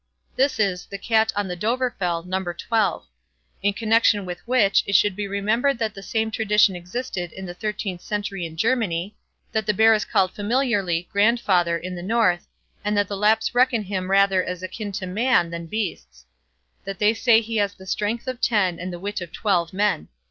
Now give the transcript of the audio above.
This is "The Cat on the Dovrefell", No. xii. In connection with which, it should be remembered that the same tradition existed in the thirteenth century in Germany, that the bear is called familiarly grandfather in the North, and that the Lapps reckon him rather as akin to men than beasts; that they say he has the strength of ten and the wit of twelve men.